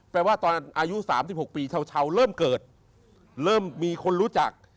ว่าตอนอายุ๓๖ปีชาวเริ่มเกิดเริ่มมีคนรู้จัก